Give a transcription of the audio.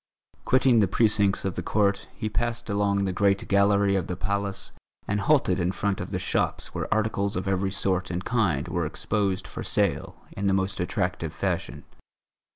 Quitting the precincts of the court, he passed along the great gallery of the Palace and halted in front of the shops where articles of every sort and kind were exposed for sale in the most attractive fashion.